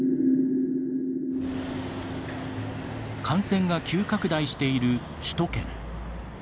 感染が急拡大している首都圏。